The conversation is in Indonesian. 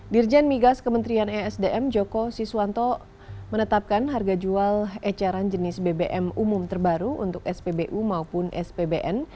dirjen migas kementerian esdm joko siswanto menetapkan harga jual ecaran jenis bbm umum terbaru untuk spbu maupun spbn